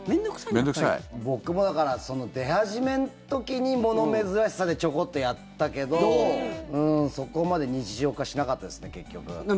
僕も出始めの時に物珍しさでちょこっとやったけどうーん、そこまで日常化しなかったですね、結局。